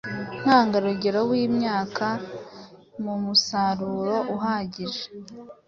ntangarugero w’imyaka mumusaruro uhagije